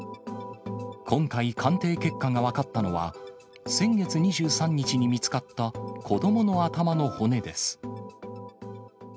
今回、鑑定結果が分かったのは、先月２３日に見つかった子どもの頭の骨です。